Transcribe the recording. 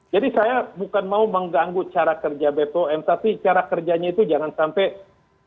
jadi saya bukan mau mengganggu cara kerja bpom tapi cara kerja yang berbahaya kepada bpp dan kepada bpom